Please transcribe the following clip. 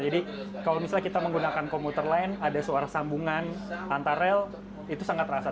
jadi kalau misalnya kita menggunakan komputer lain ada suara sambungan antar rel itu sangat terasa